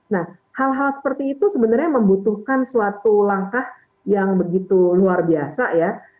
nah hal hal seperti itu sebenarnya membutuhkan suatu langkah yang begitu luar biasa ya